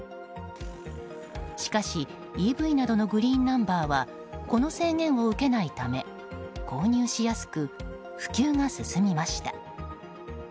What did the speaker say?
しかしＥＶなどのグリーンナンバーはこの制限を受けないため購入しやすく、普及が進みました。